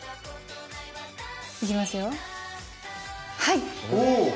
いきますよはい！